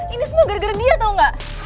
ini semua gara gara dia tau gak